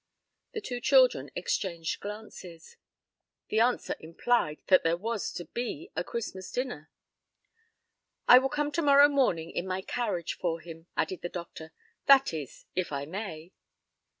The two children exchanged glances. The answer implied that there was to be a Christmas dinner. "I will come to morrow morning in my carriage for him," added the doctor. "That is, if I may."